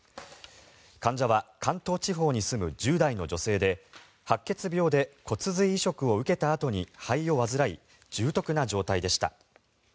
患者は関東地方に住む１０代の女性で白血病で骨髄移植を受けたあとに肺を患い重篤な状態でした。